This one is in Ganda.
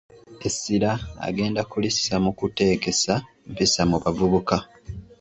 Essira agenda kulissa mu kuteekesa empisa mu bavubuka